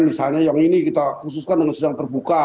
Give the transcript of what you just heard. misalnya yang ini kita khususkan dengan sedang terbuka